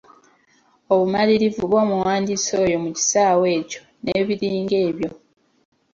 Obumanyirivu bw’omuwandiisi oyo mu kisaawe ekyo n’ebiringa ebyo.